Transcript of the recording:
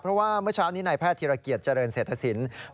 เพราะว่าเมื่อเช้านี้นายแพทย์ธิรเกียจเจริญเศรษฐศิลป์